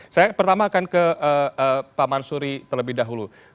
saya pertama akan ke pak mansuri terlebih dahulu